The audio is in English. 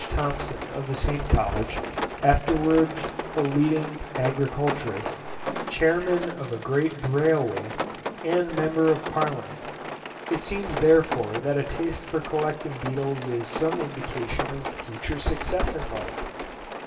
Thompson of the same College, afterwards a leading agriculturist, chairman of a great railway, and Member of Parliament. It seems therefore that a taste for collecting beetles is some indication of future success in life!